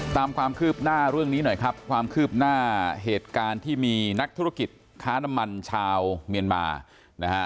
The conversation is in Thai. ตามความคืบหน้าเรื่องนี้หน่อยครับความคืบหน้าเหตุการณ์ที่มีนักธุรกิจค้าน้ำมันชาวเมียนมานะฮะ